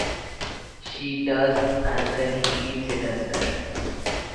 She does and then he eats it as well.